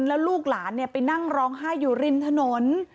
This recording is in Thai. แล้วลูกหลานไปนั่งร้องไห้อยู่ริมถนน